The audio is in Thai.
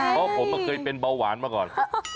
เพราะผมเคยเป็นเบาหวานมาก่อน